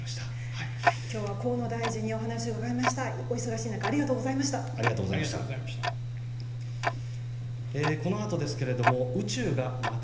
今日は河野大臣にお話を伺いました。